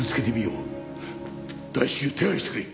大至急手配してくれ！